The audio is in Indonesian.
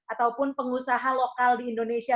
ataupun pengusaha lokal di indonesia